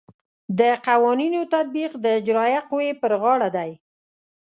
د قوانینو تطبیق د اجرائیه قوې پر غاړه دی.